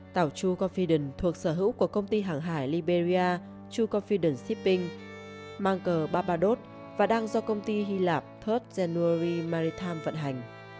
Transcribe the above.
tàu true confidence thuộc sở hữu của công ty hàng hải liberia true confidence shipping mang cờ babadot và đang do công ty hy lạp ba rd january maritime vận hành